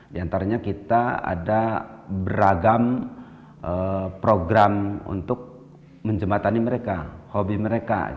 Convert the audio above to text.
di antaranya kita ada beragam program untuk menjembatani mereka hobi mereka